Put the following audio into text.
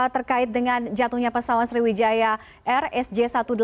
terkait dengan jatuhnya pesawat sriwijaya rsj satu ratus delapan puluh dua